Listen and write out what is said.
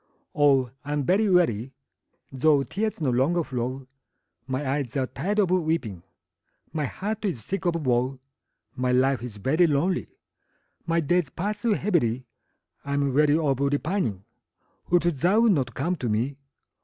Oh, I am very weary, Though tears no longer flow; My eyes are tired of weeping, My heart is sick of woe; My life is very lonely My days pass heavily, I'm weary of repining; Wilt thou not come to me?